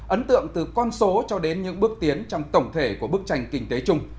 ấn tượng từ con số cho đến những bước tiến trong tổng thể của bức tranh kinh tế chung